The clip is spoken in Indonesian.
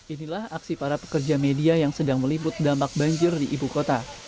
inilah aksi para pekerja media yang sedang meliput dampak banjir di ibu kota